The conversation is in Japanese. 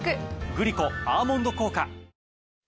グリコ「アーモンド効果」。